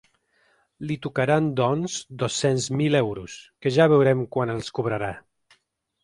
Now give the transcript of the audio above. Li tocaran, doncs, dos-cents mil euros, que ja veurem quan els cobrarà.